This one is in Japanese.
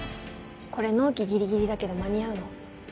これ納期ギリギリだけど間に合うの？